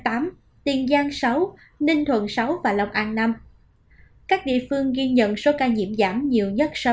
các tỉnh thành phố ghi nhận ca bệnh như sau